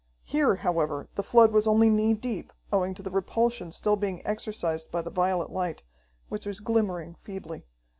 Here, however, the flood was only knee deep, owing to the repulsion still being exercised by the violet light, which was glimmering feebly.